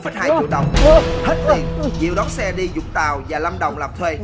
và không được ngăn đại và được nhân lên